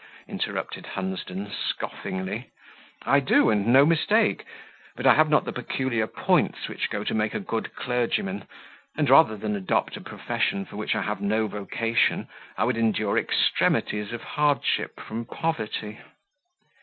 interrupted Hunsden, scoffingly. "I do, and no mistake. But I have not the peculiar points which go to make a good clergyman; and rather than adopt a profession for which I have no vocation, I would endure extremities of hardship from poverty."